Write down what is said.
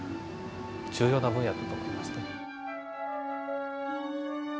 重要な分野だと思いますね。